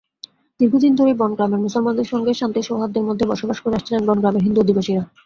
দীর্ঘদিন ধরেই বনগ্রামের মুসলমানদের সঙ্গে শান্তি-সৌহার্দ্যের মধ্যে বসবাস করে আসছিলেন বনগ্রামের হিন্দু অধিবাসীরা।